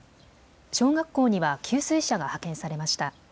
小学校には給水車が派遣されました。